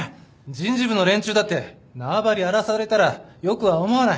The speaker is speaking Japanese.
人事部の連中だって縄張り荒らされたらよくは思わない。